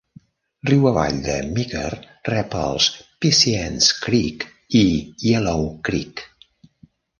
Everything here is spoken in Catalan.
Riu avall de Meeker, rep els Piceance Creek i Yellow Creek.